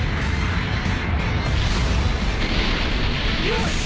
よし！